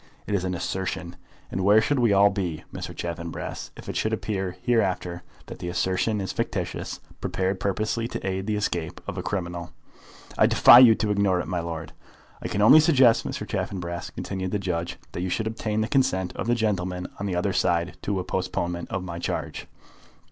It is an assertion. And where should we all be, Mr. Chaffanbrass, if it should appear hereafter that the assertion is fictitious, prepared purposely to aid the escape of a criminal?" "I defy you to ignore it, my lord." "I can only suggest, Mr. Chaffanbrass," continued the judge, "that you should obtain the consent of the gentlemen on the other side to a postponement of my charge."